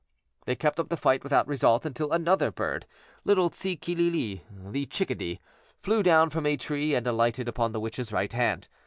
They kept up the fight without result until another bird, little Tsi'kilili', the chickadee, flew down from a tree and alighted upon the witch's right hand.